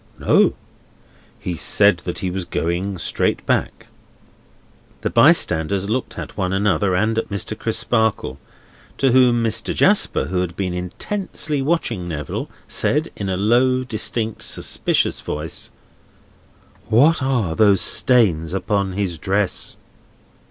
"No. He said that he was going straight back." The bystanders looked at one another, and at Mr. Crisparkle. To whom Mr. Jasper, who had been intensely watching Neville, said, in a low, distinct, suspicious voice: "What are those stains upon his dress?"